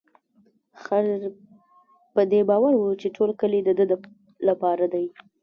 خر په دې باور و چې ټول کلي د ده لپاره دی.